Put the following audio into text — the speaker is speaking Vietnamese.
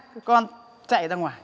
các con chạy ra ngoài